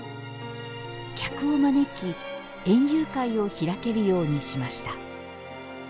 客を招き、園遊会を開けるようにしました。